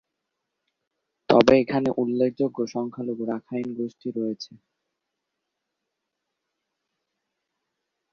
তবে, এখানে উল্লেখযোগ্য সংখ্যালঘু রাখাইন গোষ্ঠী রয়েছে।